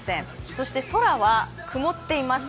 そして空は曇っています。